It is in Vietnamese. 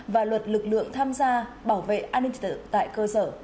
và luật lực lượng tham gia bảo vệ an ninh trật tự tại cơ sở